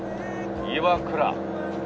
岩倉。